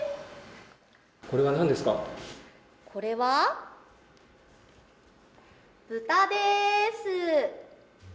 これは豚です。